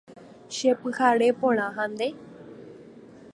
Chepyhare porã ha nde.